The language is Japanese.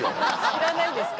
知らないんですか？